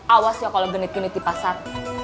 awas ya kalau genit genit di pasar